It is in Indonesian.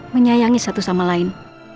menyayangi satu sama lain